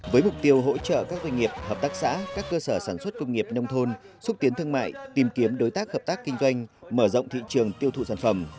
với mục tiêu hỗ trợ các doanh nghiệp hợp tác xã các cơ sở sản xuất công nghiệp nông thôn xúc tiến thương mại tìm kiếm đối tác hợp tác kinh doanh mở rộng thị trường tiêu thụ sản phẩm